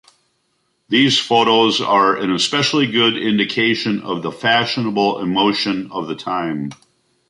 These photos are an especially good indication of the fashionable emotions of the time.